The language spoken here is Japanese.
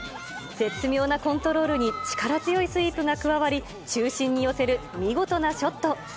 絶妙なコントロールに、力強いスイープが加わり、中心に寄せる見事なショット。